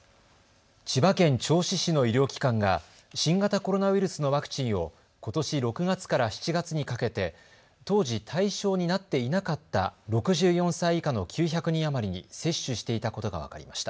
千葉県銚子市の医療機関が新型コロナウイルスのワクチンをことし６月から７月にかけて当時、対象になっていなかった６４歳以下の９００人余りに接種していたことが分かりました。